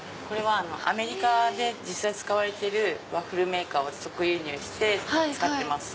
アメリカで実際使われてるワッフルメーカーを直輸入して使ってます。